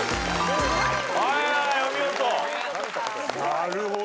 なるほど。